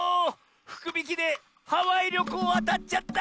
ふくびきでハワイりょこうあたっちゃった！」。